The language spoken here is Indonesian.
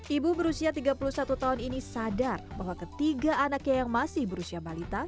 ibu berusia tiga puluh satu tahun ini sadar bahwa ketiga anaknya yang masih berusia balita